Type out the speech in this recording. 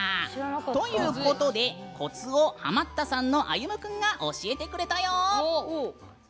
ということで、コツをハマったさんのあゆむ君が教えてくれたよ。